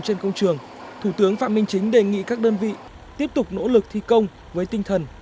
trên công trường thủ tướng phạm minh chính đề nghị các đơn vị tiếp tục nỗ lực thi công với tinh thần